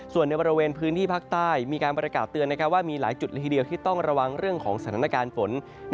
ส่วนในบริเวณพื้นที่ภาคใต้มีการประกาศเตือนว่ามีหลายจุดละทีเดียวที่ต้องระวังเรื่องของสถานการณ์ฝน